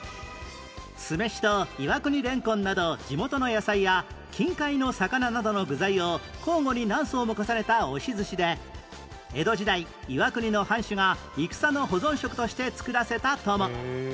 酢飯と岩国れんこんなど地元の野菜や近海の魚などの具材を交互に何層も重ねた押し寿司で江戸時代岩国の藩主が戦の保存食として作らせたとも